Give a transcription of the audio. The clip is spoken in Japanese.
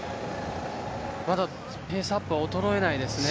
まだペースアップは衰えないですね。